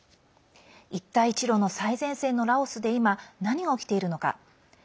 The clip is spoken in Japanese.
一帯一路の最前線のラオスで今、何が起きているのか。